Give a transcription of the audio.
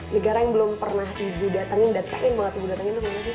negara yang belum pernah ibu datangin udah pengen banget ibu datangin itu mana sih